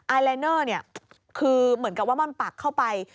ลายเนอร์เนี่ยคือเหมือนกับว่ามันปักเข้าไป